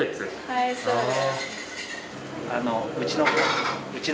はいそうです。